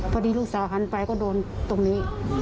พอดีลูกสาวหันไปก็โดนตรงนี้